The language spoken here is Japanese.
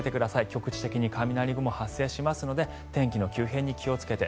局地的に雷雲、発生しますので天気の急変に気をつけて。